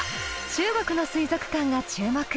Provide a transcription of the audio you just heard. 中国の水族館が注目。